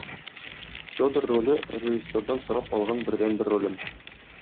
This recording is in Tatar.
Фёдор роле - режиссёрдан сорап алган бердәнбер ролем.